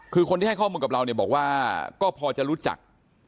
คือคนที่ให้ข้อมูลกับเราเนี่ยบอกว่าก็พอจะรู้จัก